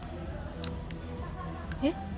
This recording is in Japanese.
えっ？